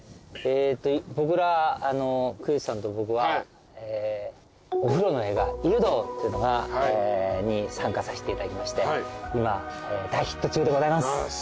僕らクリスさんと僕はお風呂の映画『湯道』に参加させていただきまして今大ヒット中でございます。